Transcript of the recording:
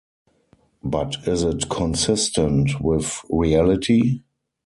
But is it consistent with reality?